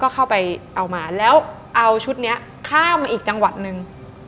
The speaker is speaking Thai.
ก็เข้าไปเอามาแล้วเอาชุดนี้ข้ามมาอีกจังหวัดหนึ่ง